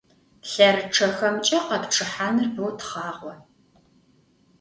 ЛъэрычъэхэмкӀэ къэпчъыхьаныр боу тхъагъо.